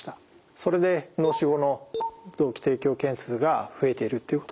それで脳死後の臓器提供件数が増えているっていうことになります。